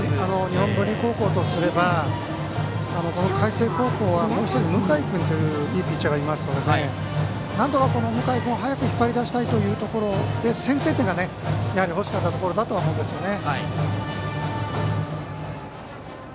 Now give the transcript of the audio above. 日本文理高校とすれば海星高校にはもう１人、向井君といういいピッチャーがいますのでなんとか向井君を早く引っ張り出したいというところで先制点が欲しかったところだと思うんですね。